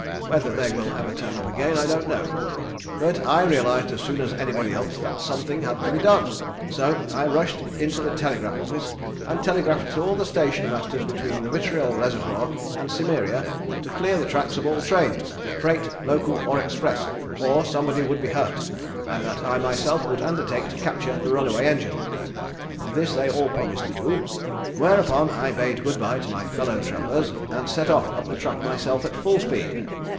Whether they will ever turn up again I don't know. But I realised as soon as anybody else that something had to be done, so I rushed into the telegraph office and telegraphed to all the station masters between the Vitriol Reservoir and Cimmeria to clear the track of all trains, freight, local, or express, or somebody would be hurt, and that I myself would undertake to capture the runaway engine. This they all promised to do, whereupon I bade good bye to my fellow travellers, and set off up the track myself at full speed.